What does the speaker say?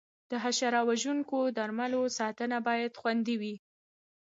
د حشره وژونکو درملو ساتنه باید خوندي وي.